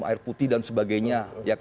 air putih dan sebagainya